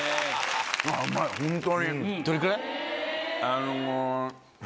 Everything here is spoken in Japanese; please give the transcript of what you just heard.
あの。